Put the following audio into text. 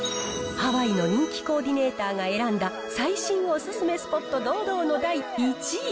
ハワイの人気コーディネーターが選んだ、最新お勧めスポット堂々の第１位。